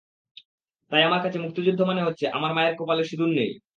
তাই আমার কাছে মুক্তিযুদ্ধ মানে হচ্ছে, আমার মায়ের কপালে সিঁদুর নেই।